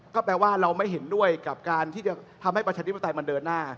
ก็แปลว่าเราไม่เห็นด้วยกับการที่จะทำให้ประชาธิปไตยมันเดินหน้า